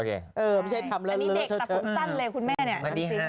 อันนี้เด็กตัดผมสั้นเลยคุณแม่เนี่ย